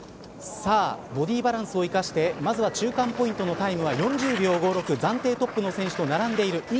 さあボディバランスを生かしてまずは中間ポイントのタイムは４０秒５６暫定トップの選手と並んでいる。